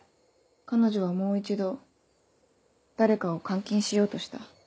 彼女はもう一度誰かを監禁しようとした。